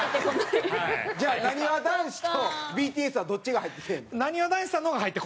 じゃあなにわ男子とＢＴＳはどっちが入ってきてんの？